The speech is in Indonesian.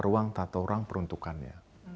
ruang tata orang peruntukannya